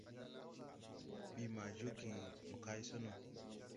Bii ma joge mo kay so no.